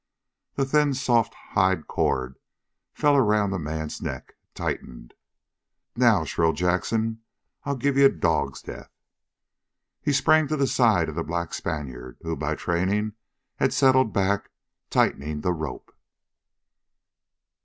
The thin, soft hide cord fell around the man's neck, tightened. "Now," shrilled Jackson, "I'll give ye a dog's death!" He sprang to the side of the black Spaniard, who by training had settled back, tightening the rope.